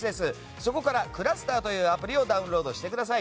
そこからｃｌｕｓｔｅｒというアプリをダウンロードしてください。